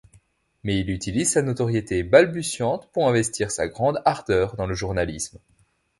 Mais il utilise sa notoriété balbutiante pour investir sa grande ardeur dans le journalisme.